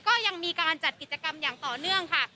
ก็ยังมีการจัดกิจกรรมอย่างต่อเนื่องค่ะ